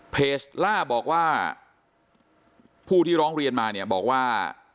เพจล่าบอกว่าผู้ที่ร้องเรียนมาบอกว่า